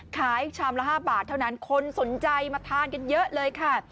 ชามละ๕บาทเท่านั้นคนสนใจมาทานกันเยอะเลยค่ะ